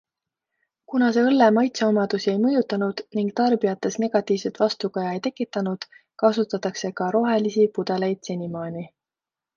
Kuna see õlle maitseomadusi ei mõjutanud ning tarbijates negatiivset vastukaja ei tekitanud, kasutatakse ka rohelisi pudeleid senimaani.